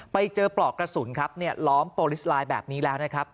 ปลอกกระสุนครับล้อมโปรลิสไลน์แบบนี้แล้วนะครับ